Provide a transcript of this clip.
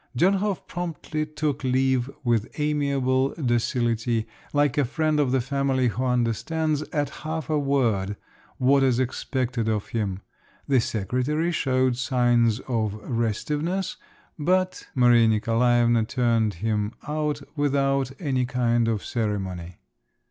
Dönhof promptly took leave with amiable docility, like a friend of the family who understands at half a word what is expected of him; the secretary showed signs of restiveness, but Maria Nikolaevna turned him out without any kind of ceremony.